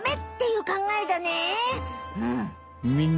うん。